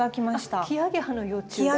あっキアゲハの幼虫だ。